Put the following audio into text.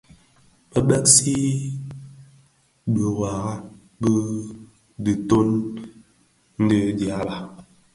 Bë bëgsi mis bi biwara bi titōň ti dyaba.